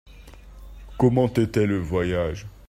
Comment était le voyage ?